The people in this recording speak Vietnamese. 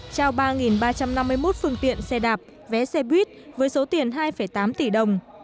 trao ba ba trăm năm mươi một phương tiện xe đạp vé xe buýt với số tiền hai tám tỷ đồng